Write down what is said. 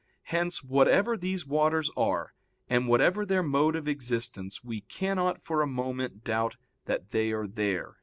Hence, whatever these waters are, and whatever their mode of existence, we cannot for a moment doubt that they are there."